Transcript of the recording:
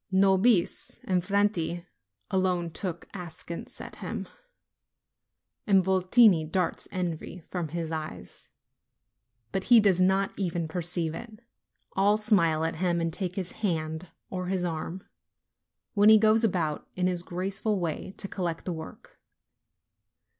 Nobis and Franti alone look askance at him, and Votini darts envy from his eyes : but he does not even perceive it. All smile at him, and take his hand or his arm, when he goes about, in his graceful way, to collect the work.